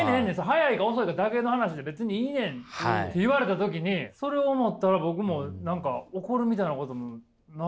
早いか遅いかだけの話で別にいいねん」って言われた時にそれを思ったら僕も何か怒るみたいなこともないし。